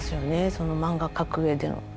その漫画描くうえでの。